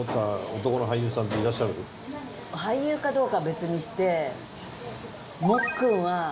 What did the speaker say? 俳優かどうかは別にして。